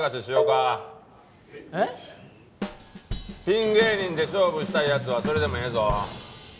ピン芸人で勝負したい奴はそれでもええぞ。